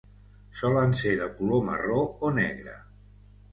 Solen ser de color marró o negre.